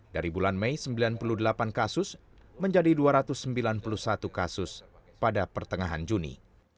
dari bulan mei sembilan puluh delapan kasus menjadi dua ratus sembilan puluh satu kasus pada pertengahan juni